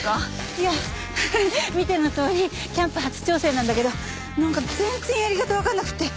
いやフフッ見てのとおりキャンプ初挑戦なんだけどなんか全然やり方がわかんなくて。